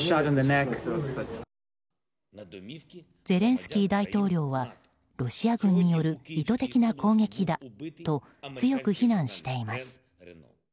ゼレンスキー大統領はロシア軍による意図的な攻撃だと強く非難しています。